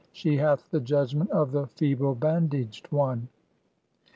She hath the judgment of the feeble bandaged one."